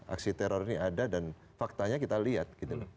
aksi teror ini ada dan faktanya kita lihat